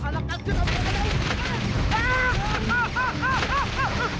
kamu anak kecil kamu nggak boleh menangis